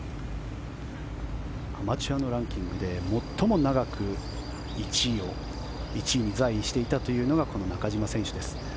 アマチュアのランキングで最も長く１位に在位していたというのがこの中島選手です。